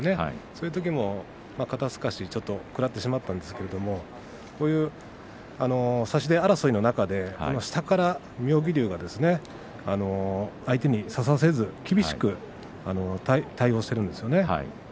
そういうときも肩すかしちょっと食らってしまったんですけれども差し手争いの中で下から妙義龍が相手に差させず、厳しく対応しているんですね。